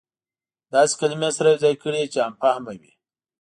داسې کلمې سره يو ځاى کړى چې عام فهمه وي.